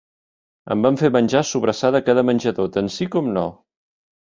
Em van fer menjar sobrassada a cada menjador, tant sí com no.